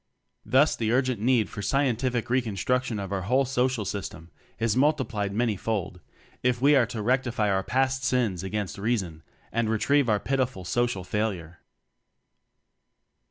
Thus the urgent need for scientific reconstruction of our whole social system is multiplied manyfold, if we are to rectify our past sins against reason and retrieve our pitiful social failure.